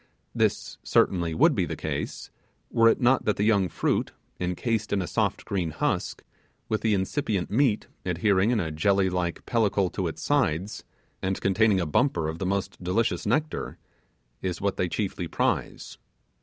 This certainly would be the case, were it not that the young fruit, encased in a soft green husk, with the incipient meat adhering in a jelly like pellicle to its sides, and containing a bumper of the most delicious nectar, is what they chiefly prize.